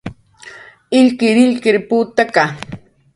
illkirilkir putaka